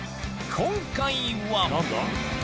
今回は！